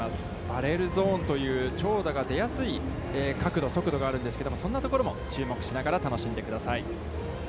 バレルゾーンという角度、速度があるんですけれども、そんなところも注目しながら楽しんでください。